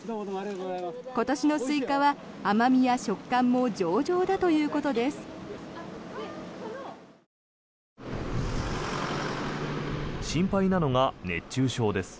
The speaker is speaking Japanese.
今年のスイカは甘味や食感も上々だということです。